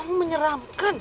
aku gak menyeramkan